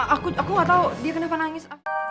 aku gak tau dia kenapa nangis